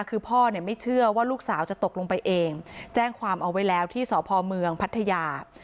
คือพ่อเนี่ยไม่เชื่อว่าลูกสาวจะตกลงไปเองแจ้งความเอาไว้แล้วที่สพเมืองพัทยา